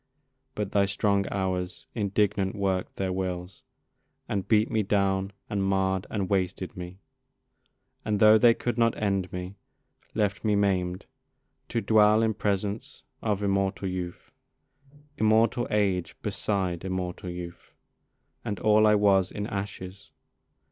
But thy strong Hours indignant work'd their wills, And beat me down and marr'd and wasted me, And tho' they could not end me, left me maim'd To dwell in presence of immortal youth, Immortal age beside immortal youth, And all I was, in ashes.